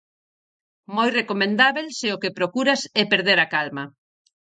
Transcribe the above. Moi recomendábel se o que procuras é perder a calma.